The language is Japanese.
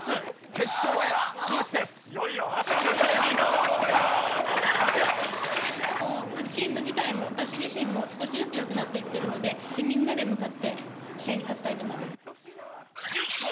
決勝進出おめでとうございまチーム自体も私自身も、少しずつよくなっていってるので、みんなで向かって、試合に勝ちたいと思います。